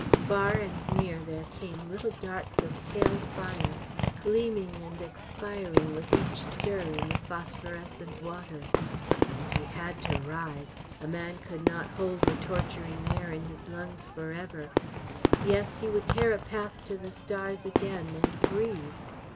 Far and near there came little darts of pale fire, gleaming and expiring with each stir in the phosphorescent water. And he had to rise; a man could not hold the torturing air in his lungs for ever. Yes, he would tear a path to the stars again and breathe.